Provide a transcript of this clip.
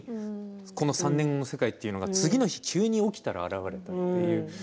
この３年の世界というのが次の日急に起きたら現れたという。